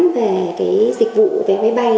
về dịch vụ vé máy bay